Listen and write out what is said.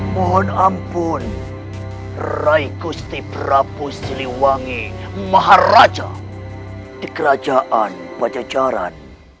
mohon ampun rai kusti prapus siliwangi maharaja di kerajaan pajajaran